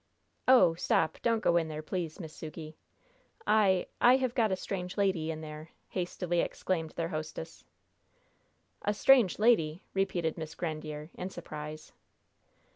"Oh! stop. Don't go in there, please, Miss Sukey, I I have got a strange lady in there," hastily exclaimed their hostess. "A strange lady!" repeated Miss Grandiere, in surprise.